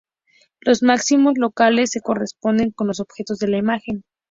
Los máximos locales se corresponden con los objetos de la imagen.